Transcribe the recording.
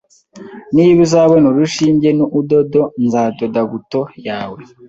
Niba uzabona urushinge nuudodo, nzadoda buto yawe.